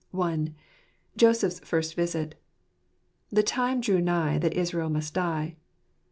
I. Joseph's First Visit. — "The time drew nigh that Israel must die."